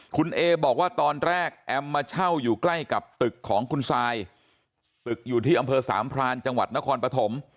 คุณเอบอกว่าตอนแรกแอมมาเช่าอยู่ใกล้กับตึกของคุณซายตึกอยู่ที่อำเภอสามพรานจังหวัดนครปฐม